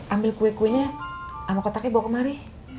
ambil kue kuenya sama kota ke bawa kemari